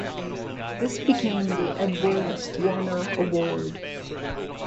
This became the Edward Warner Award.